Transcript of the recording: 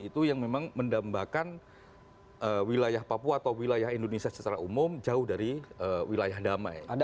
itu yang memang mendambakan wilayah papua atau wilayah indonesia secara umum jauh dari wilayah damai